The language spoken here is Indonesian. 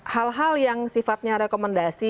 hal hal yang sifatnya rekomendasi